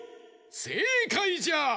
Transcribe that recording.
せいかいじゃ！